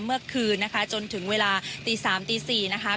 เมื่อคืนนะคะจนถึงเวลาตี๓ตี๔นะคะ